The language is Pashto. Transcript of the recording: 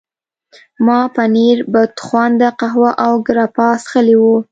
ما پنیر، بدخونده قهوه او ګراپا څښلي وو.